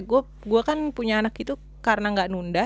gue kan punya anak itu karena gak nunda